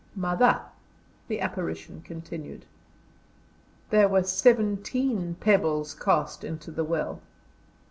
"Mother," the apparition continued, "there were seventeen pebbles cast into the well."